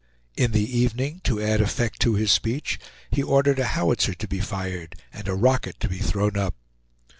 In the evening, to add effect to his speech, he ordered a howitzer to be fired and a rocket to be thrown up.